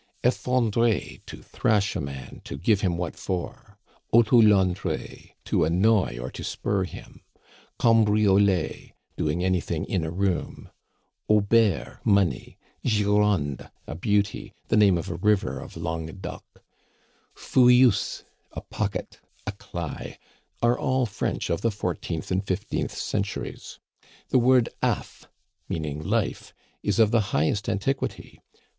Effondrer, to thrash a man, to give him what for; otolondrer, to annoy or to "spur" him; cambrioler, doing anything in a room; aubert, money; Gironde, a beauty (the name of a river of Languedoc); fouillousse, a pocket a "cly" are all French of the fourteenth and fifteenth centuries. The word affe, meaning life, is of the highest antiquity.